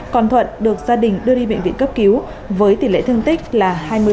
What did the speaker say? còn thuận được gia đình đưa đi bệnh viện cấp cứu với tỷ lệ thương tích là hai mươi